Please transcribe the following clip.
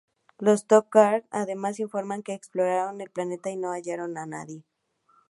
Los Tok'ra además informan que exploraron el planeta y no hallaron a nadie.